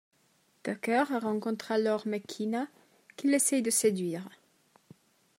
Tucker rencontre alors McKeena qu'il essaye de séduire…